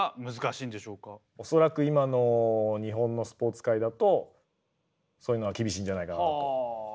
おそらく今の日本のスポーツ界だとそういうのは厳しいんじゃないかなと。